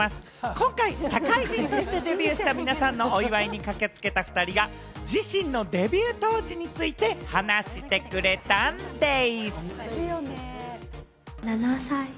今回、社会人としてデビューした皆さんのお祝いに駆けつけた２人が自身のデビュー当時について、話してくれたんでぃす。